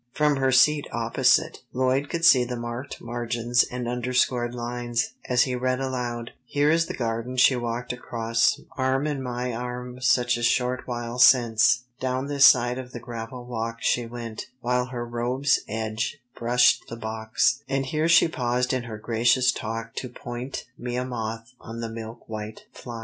From her seat opposite, Lloyd could see the marked margins and underscored lines, as he read aloud: "'Here is the garden she walked across Arm in my arm such a short while since. Down this side of the gravel walk She went, while her robe's edge brushed the box. And here she paused in her gracious talk To point me a moth on the milk white phlox.'"